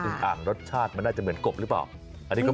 อึงอางรสชาติมันเหมือนกบหรือเปล่า